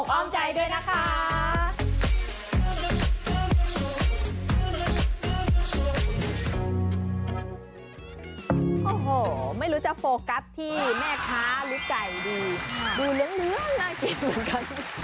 ไว้ในอ้อมปกอมใจด้วยนะคะ